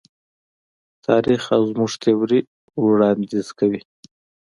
تاریخ او زموږ تیوري وړاندیز کوي.